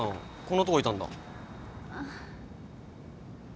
こんなとこいたんだ。